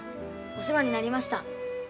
お世話になりました。